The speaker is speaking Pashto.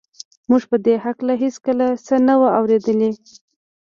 موږ په دې هکله هېڅکله څه نه وو اورېدلي